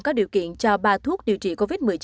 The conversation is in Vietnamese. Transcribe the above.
có điều kiện cho ba thuốc điều trị covid một mươi chín